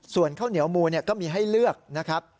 ส่วนข้าวเหนียวมูลก็มีให้เลือกนะครับ